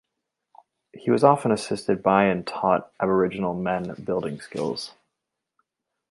He was often assisted by and taught Aboriginal men building skills.